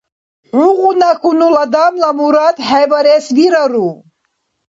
ХӀугъуна хьунул адамла мурад хӀебарес вирару?